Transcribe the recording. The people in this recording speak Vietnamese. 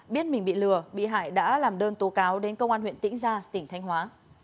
biết mình bị lừa bị hại đã làm đơn tố cáo đến công an huyện tĩnh gia tỉnh thanh hóa